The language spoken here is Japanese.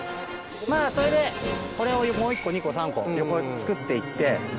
それでこれをもう１個２個３個横作って行って。